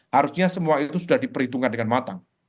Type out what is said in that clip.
harusnya semua itu sudah diperhitungkan dengan matang